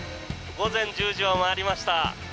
午前１０時を回りました。